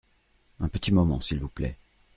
Un petit moment s’il vous plait.